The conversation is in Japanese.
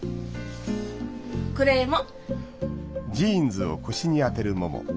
これも。